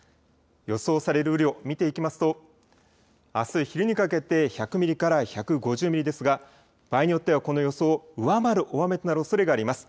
予想される雨量を見ていきますとあす昼にかけて１００ミリから１５０ミリですが場合によってはこの予想を上回る大雨となるおそれがあります。